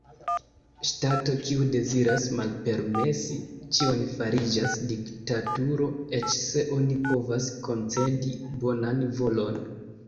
Ŝtato kiu deziras malpermesi ĉion fariĝas diktaturo, eĉ se oni povas koncedi bonan volon.